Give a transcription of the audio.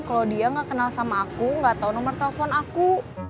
kalau dia nggak kenal sama aku nggak tahu nomor telepon aku